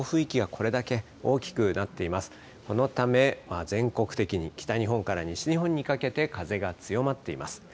このため、全国的に北日本から西日本にかけて風が強まっています。